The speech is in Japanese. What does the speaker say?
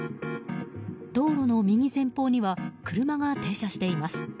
道路の右前方には車が停車しています。